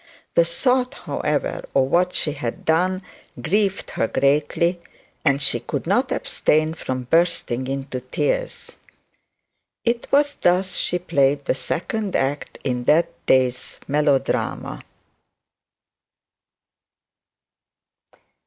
The thought, however, of what she had done grieved her greatly, and she could not abstain from bursting into tears. 'Twas thus she played the second act in that day's melodrama.